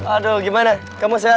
aduh gimana kamu sehat